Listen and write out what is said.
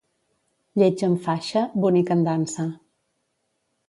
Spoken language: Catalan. Lleig amb faixa, bonic en dansa.